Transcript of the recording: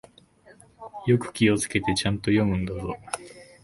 よく気をつけて、ちゃんと読むんだぞ。